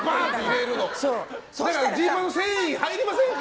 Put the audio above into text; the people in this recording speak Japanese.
それジーパンの繊維入りませんか？